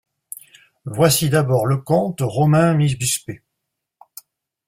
Voici d'abord le conte romain (miss Busk, p.